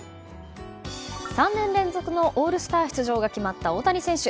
３年連続のオールスター出場が決まった大谷選手。